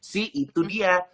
sih itu dia